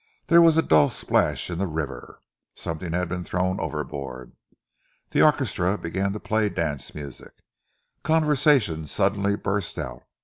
There was a dull splash in the river. Something had been thrown overboard. The orchestra began to play dance music. Conversation suddenly burst out.